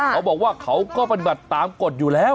เขาบอกว่าเขาก็ปฏิบัติตามกฎอยู่แล้ว